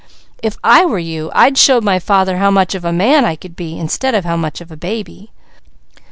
If I were you, I'd show my father how much of a man I could be, instead of how much of a baby."